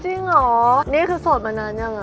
จริงเหรอนี่คือโสดมานานยังอ่ะ